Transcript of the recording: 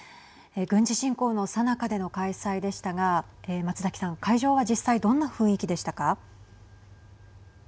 軍事侵攻のさなかでの開催でしたが松崎さん、会場は実際どんな雰囲気でしたか。